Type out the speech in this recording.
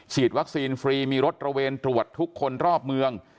วัคซีนฟรีมีรถระเวนตรวจทุกคนรอบเมือง